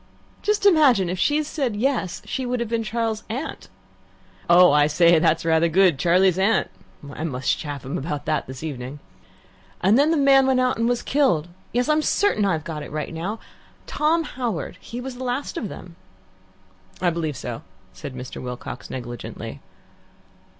Just imagine, if she'd said 'Yes,' she would have been Charles's aunt. (Oh, I say, that's rather good! 'Charlie's Aunt'! I must chaff him about that this evening.) And the man went out and was killed. Yes, I'm certain I've got it right now. Tom Howard he was the last of them." "I believe so," said Mr. Wilcox negligently.